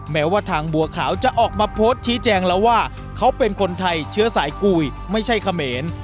แม้ว่าทางบัวขาวจะออกมาโพสต์ชี้แจงแล้วว่าเขาเป็นคนไทยเชื้อสายกุยไม่ใช่เขมร